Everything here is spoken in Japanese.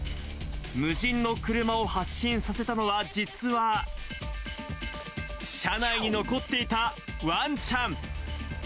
無人の車を発進させたのは、実は、車内に残っていたわんちゃん。